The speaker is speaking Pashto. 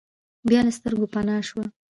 بیا له سترګو پناه شوه.